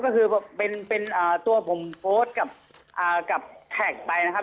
ก็คือเป็นเป็นอ่าตัวผมโพสต์กับอ่ากับแท็กไปนะครับ